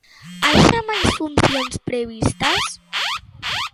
Hai xa máis funcións previstas?